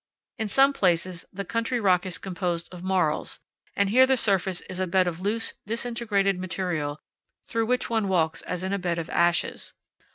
In some places the country rock is composed of marls, and here the surface is a bed of loose, disintegrated material through which one walks as in a bed of ashes.